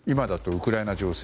ウクライナ情勢